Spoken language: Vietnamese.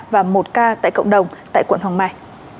và một ca tại cộng đồng tại quận hoàng mai